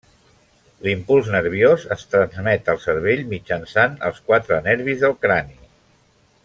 L'impuls nerviós es transmet al cervell mitjançant els quatre nervis del crani.